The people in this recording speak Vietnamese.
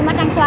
mà trăng xoa